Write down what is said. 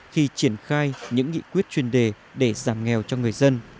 khi triển khai những nghị quyết chuyên đề để giảm nghèo cho người dân